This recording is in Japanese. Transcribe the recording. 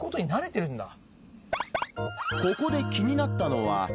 ここで気になったのは。